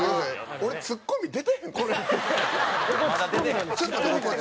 俺、ツッコミ出てへん、これで。